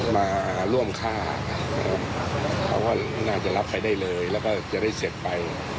มาร่วมฆ่า